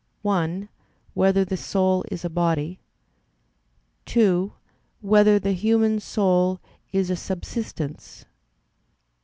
(1) Whether the soul is a body? (2) Whether the human soul is a subsistence?